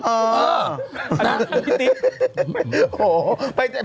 เอออันนั้นคือพี่ติ๊กโอ้โฮ